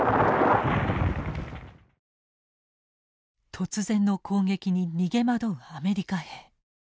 突然の攻撃に逃げ惑うアメリカ兵。